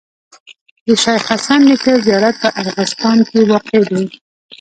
د شيخ حسن نیکه زیارت په ارغستان کي واقع دی.